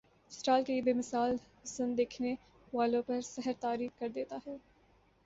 چترال کا یہ بے مثال حسن دیکھنے والوں پر سحر طاری کردیتا ہے